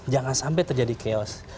jangan sampai terjadi chaos